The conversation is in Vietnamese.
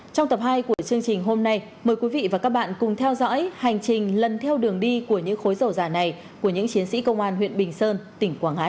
trong tập hai của chương trình hôm nay mời quý vị và các bạn cùng theo dõi hành trình lần theo đường đi của những khối dầu giả này của những chiến sĩ công an huyện bình sơn tỉnh quảng ngãi